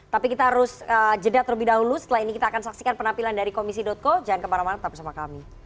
tapi kita harus jeda terlebih dahulu setelah ini kita akan saksikan penampilan dari komisi co jangan kemana mana tetap bersama kami